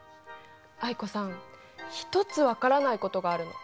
藍子さん１つ分からないことがあるの。